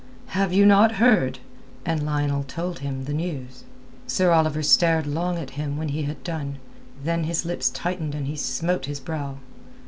"Have you not heard?" And Lionel told him the news. Sir Oliver stared long at him when he had done, then his lips tightened and he smote his brow.